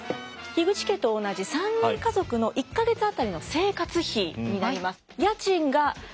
口家と同じ３人家族の１か月当たりの生活費になります。